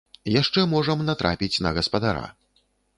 Яшчэ можам натрапіць на гаспадара.